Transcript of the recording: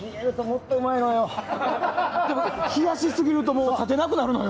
冷やしすぎると立てなくなるのよ。